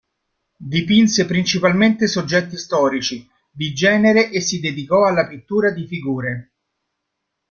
Dipinse principalmente soggetti storici, di genere e si dedicò alla pittura di figure.